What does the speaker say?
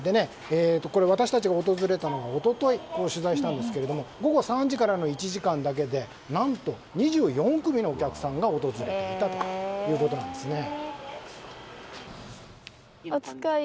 これ、私たちが訪れたのは一昨日なんですが午後３時からの１時間だけで何と２４組のお客さんが訪れたということなんですね。